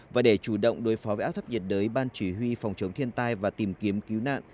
và để chủ động đối phó với áp thấp nhiệt đới ban chỉ huy phòng chống thiên tai và tìm kiếm cứu nạn